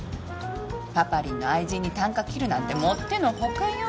パパリンの愛人にたんか切るなんてもっての外よ。